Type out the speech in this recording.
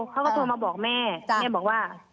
เขาก็โทรมาบอกแม่แม่บอกว่า